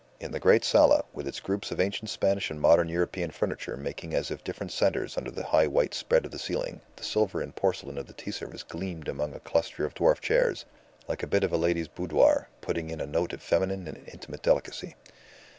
In the great sala, with its groups of ancient Spanish and modern European furniture making as if different centres under the high white spread of the ceiling, the silver and porcelain of the tea service gleamed among a cluster of dwarf chairs, like a bit of a lady's boudoir, putting in a note of feminine and intimate delicacy.